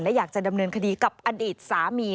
และอยากจะดำเนินคดีกับอดีตสามี